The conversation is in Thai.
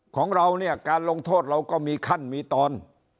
ของเราเนี่ยการลงโทษเราก็มีขั้นมีตอน